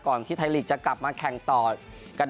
ที่ไทยลีกจะกลับมาแข่งต่อกัน